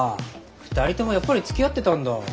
二人ともやっぱりつきあってたんだ。